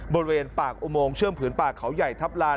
บริเวณปากอุโมงเชื่อมผืนป่าเขาใหญ่ทัพลาน